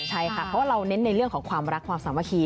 ใช่ค่ะเพราะว่าเราเน้นในเรื่องของความรักความสามัคคี